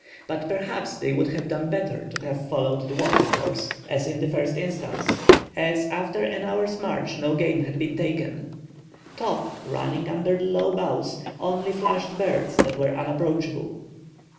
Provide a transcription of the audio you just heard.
But perhaps they would have done better to have followed the water course, as in the first instance, as, after an hour's march, no game had been taken. Top, running under the low boughs, only flushed birds that were unapproachable.